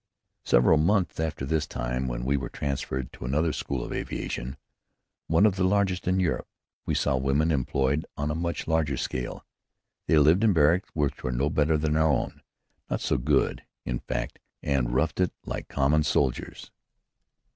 Several months after this time, when we were transferred to another school of aviation, one of the largest in Europe, we saw women employed on a much larger scale. They lived in barracks which were no better than our own, not so good, in fact, and roughed it like common soldiers.